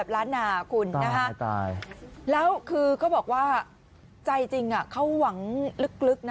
แล้วคือเขาบอกว่าใจจริงเขาหวังลึก